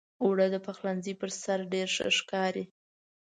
اوړه د پخلنځي پر سر ډېر ښه ښکاري